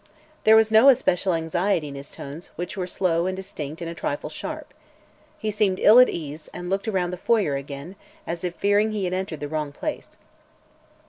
There was no especial anxiety in his tones, which were slow and distinct and a trifle sharp. He seemed ill at ease and looked around the foyer again, as if fearing he had entered the wrong place.